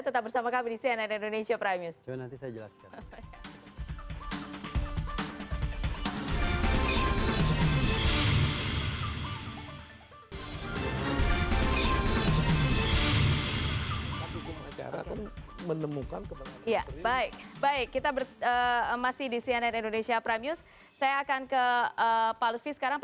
tetap bersama kami di cnn indonesia prime news